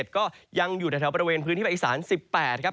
๑๗ก็ยังอยู่ในแถวบริเวณพื้นที่ภาคอีสาน